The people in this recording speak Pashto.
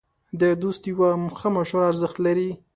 د دوست یوه ښه مشوره ارزښت لري.